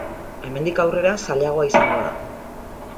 Hemendik aurrera zailagoa izango da.